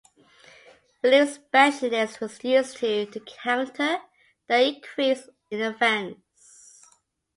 Relief specialists were used to counter the increase in offense.